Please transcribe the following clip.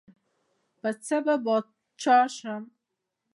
پۀ څۀ به باچا شم ـ